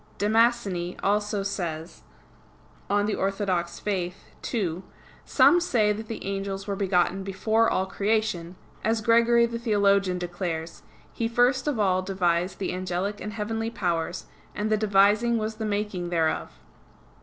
Damascene also says (De Fide Orth. ii): "Some say that the angels were begotten before all creation; as Gregory the Theologian declares, He first of all devised the angelic and heavenly powers, and the devising was the making thereof."